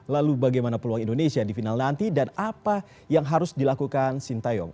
lalu bagaimana peluang indonesia di final nanti dan apa yang harus dilakukan sintayong